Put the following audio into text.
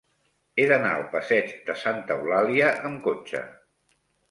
He d'anar al passeig de Santa Eulàlia amb cotxe.